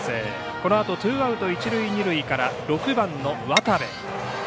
このあとツーアウト一塁二塁から６番の渡部。